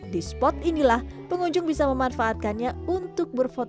di spot ini lah pengunjung bisa memanfaatkannya untuk berfotoriah